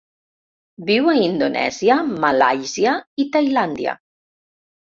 Viu a Indonèsia, Malàisia i Tailàndia.